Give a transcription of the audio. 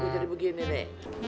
jadi begini deh